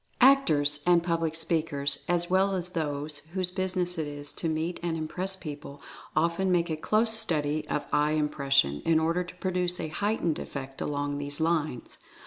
Actors and public speakers, as well as those whose business it is 217 218 Mental Fascination to meet and impress people, often make a close study of eye expression in order to produce a heightened effect along these lines.